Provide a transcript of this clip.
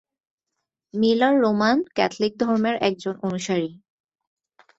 Miller Roman Catholic ধর্মের একজন অনুসারী।